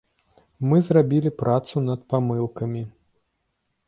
Мы зрабілі працу над памылкамі.